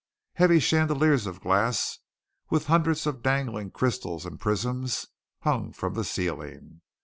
Heavy chandeliers of glass, with hundreds of dangling crystals and prisms, hung from the ceiling.